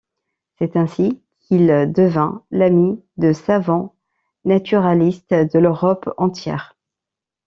C'est ainsi qu'il devint l'ami de savants naturalistes de l'Europe entière.